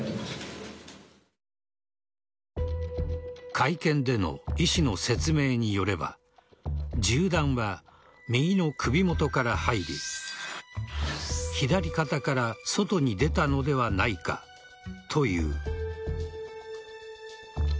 会見での医師の説明によれば銃弾は右の首元から入り左肩から外に出たのではないかという。